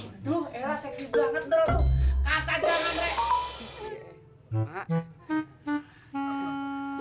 aduh elah seksi banget bro